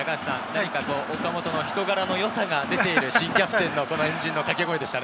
何か岡本の人柄のよさが出ている新キャプテンの円陣の掛け声でしたね。